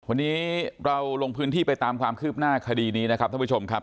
วันนี้เราลงพื้นที่ไปตามความคืบหน้าคดีนี้นะครับท่านผู้ชมครับ